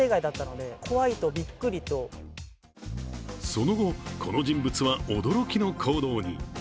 その後、この人物は驚きの行動に。